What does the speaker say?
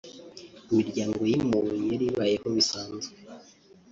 imiryango yimuwe yari ibayeho bisanzwe